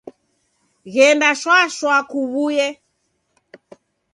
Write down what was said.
Ghenda shwa shwa kuwuye.